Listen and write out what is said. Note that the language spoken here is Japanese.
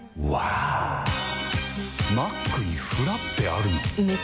マックにフラッペあるの？